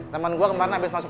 temen gue kemarin abis malam